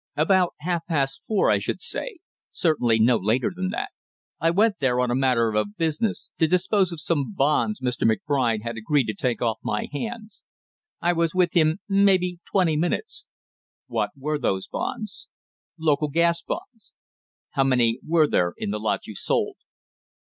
"About half past four, I should say; certainly no later than that. I went there on a matter of business, to dispose of some bonds Mr. McBride had agreed to take off my hands; I was with him, maybe twenty minutes." "What were those bonds?" "Local gas bonds." "How many were there in the lot you sold?"